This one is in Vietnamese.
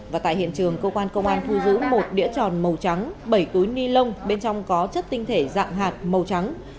và tại hiện trường cơ quan công an thu giữ một đĩa tròn màu trắng bảy túi ni lông bên trong có chất tinh thể dạng hạt màu trắng